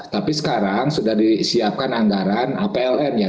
tapi sekarang sudah disiapkan anggaran apln ya